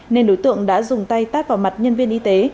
nên đối tượng đã dùng tay tát vào mặt nhân viên y tế